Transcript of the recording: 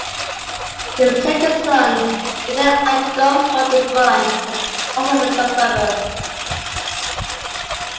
His second son, Victor Adolphe Malte-Brun, was also a geographer.